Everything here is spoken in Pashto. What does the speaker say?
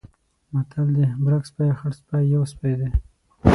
متل دی: برګ سپی، خړسپی یو سپی دی.